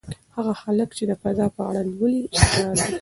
هغه هلک چې د فضا په اړه لولي هوښیار دی.